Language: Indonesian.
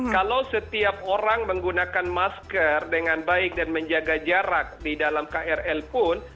kalau setiap orang menggunakan masker dengan baik dan menjaga jarak di dalam krl pun